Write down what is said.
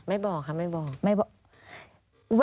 ไม่บอกค่ะไม่บอก